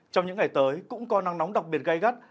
trong những ngày tới cũng có nắng nóng đặc biệt gây gắt